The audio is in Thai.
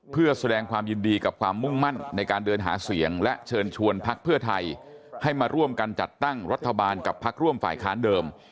เพื่อแสดงความยินดีกับความมุ่งมั่นในการเดินหาเสียงและเชิญชวนพักเพื่อไทยให้มาร่วมกันจัดตั้งรัฐบาลกับพักร่วมฝ่ายค้านเดิม